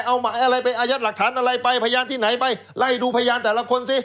เอาหมายอะไรไปอายัดหลักฐานอะไรไปพยานที่ไหนไปไล่ดูพยานแต่ละคนสิ